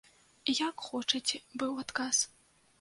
Як хочаце, быў адказ.